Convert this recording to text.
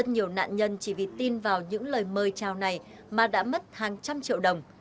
nhiều nạn nhân chỉ vì tin vào những lời mời trao này mà đã mất hàng trăm triệu đồng